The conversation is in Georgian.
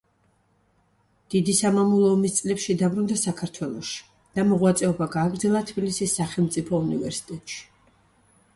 დიდი სამამულო ომის წლებში დაბრუნდა საქართველოში და მოღვაწეობა გააგრძელა თბილისის სახელმწიფო უნივერსიტეტში.